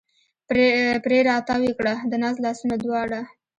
پرې را تاو یې کړه د ناز لاسونه دواړه